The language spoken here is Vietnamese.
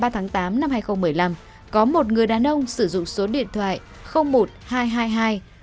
hai mươi ba tháng tám năm hai nghìn một mươi năm có một người đàn ông sử dụng số điện thoại một hai trăm hai mươi hai bốn trăm năm mươi tám xxx